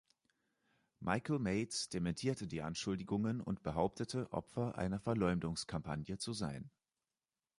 Michael Mates dementierte die Anschuldigungen und behauptete, Opfer einer Verleumdungskampagne zu sein.